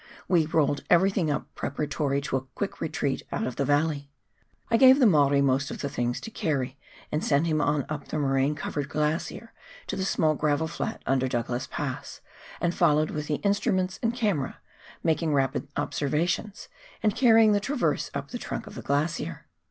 we rolled everything up preparatory to a quick retreat out of the valley. I gave the Maori most of the things to carry and sent him on up the moraine covered glacier to the small gravel flat under Douglas Pass, and followed with the instru ments and camera, making rapid observations, and carrying the traverse up the trunk of the glacier.